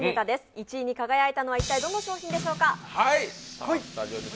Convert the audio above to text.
１位に輝いたのは一体どの商品でしょうか？